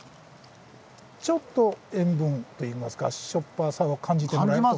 ちょっと塩分といいますかしょっぱさを感じてもらえると。